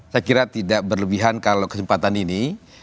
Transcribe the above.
saya kira tidak berlebihan kalau kesempatan ini